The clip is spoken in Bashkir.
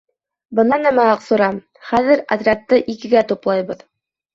Бына нәмә Аҡсура: хәҙер отрядты икегә туплайбыҙ!